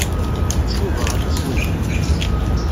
Tcuba aṭas weltma.